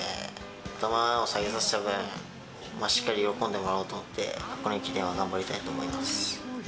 頭を下げさせた分、しっかり喜んでもらおうと思って、箱根駅伝は頑張りたいと思います。